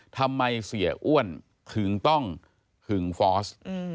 ทำไมเสียอ้วนถึงต้องหึงฟอส